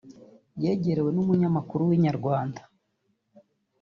yegerewe n'umunyamakuru wa Inyarwanda